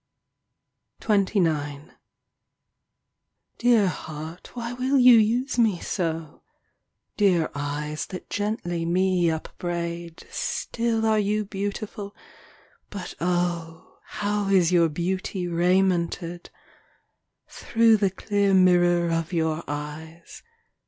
XXIX Dear heart, why will you use me so ? Dear eyes that gently me upbraid, Still are you beautiful— but O, How is your beauty raimented ! Through the clear mirror of your eyes.